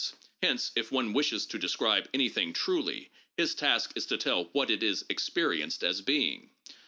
Hence, if one wishes to describe anything truly, his task is to tell what it is experienced as being.